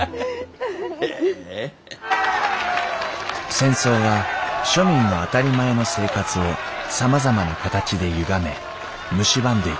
戦争は庶民の当たり前の生活をさまざまな形でゆがめむしばんでいきました。